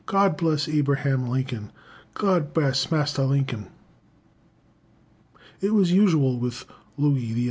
'God bless Abraham Lincoln!' 'God bress Massa Linkum!'" It was usual with Louis the XI.